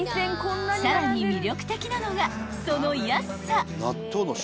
［さらに魅力的なのがその安さ］